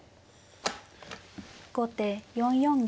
後手４四銀。